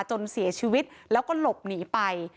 จนเสียชีวิตแล้วก็หลบหนีไป